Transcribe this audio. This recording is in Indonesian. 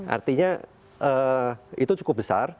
artinya itu cukup besar